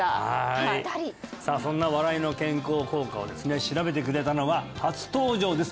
ピッタリそんな笑いの健康効果をですね調べてくれたのは初登場です